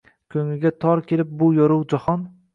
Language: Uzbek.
Ko‘ngliga tor kelib bu yorug‘ jahon